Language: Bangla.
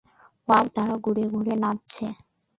ওয়াও, তারা ঘুরে ঘুরে নাচছে।